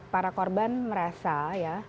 para korban merasa ya